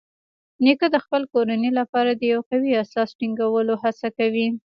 نیکه د خپل کورنۍ لپاره د یو قوي اساس ټینګولو هڅه کوي.